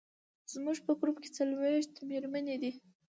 زموږ په ګروپ کې څلوېښت مېرمنې دي.